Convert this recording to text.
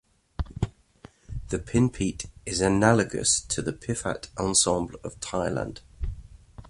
The pinpeat is analogous to the piphat ensemble of Thailand.